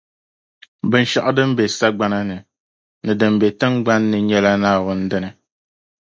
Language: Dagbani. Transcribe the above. Binshɛɣu din be sagbana ni, ni din be tiŋgbani ni nyɛla Naawuni dini.